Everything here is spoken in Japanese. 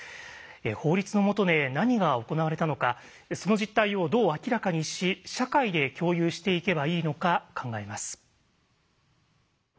法律の下で何が行われたのかその実態をどう明らかにし社会で共有していけばいいのか考えます。